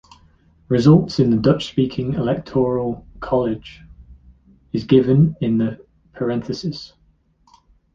Results in the Dutch-speaking electoral college is given in the parenthesis.